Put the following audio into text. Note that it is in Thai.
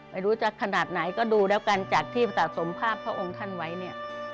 ไม่รู้จะขนาดไหนก็ดูแล้วกันจากที่สะสมภาพพระองค์ท่านไว้เนี่ย